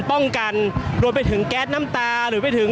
ก็น่าจะมีการเปิดทางให้รถพยาบาลเคลื่อนต่อไปนะครับ